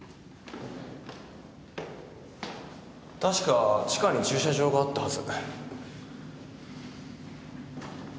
確か地下に駐車場があったはず。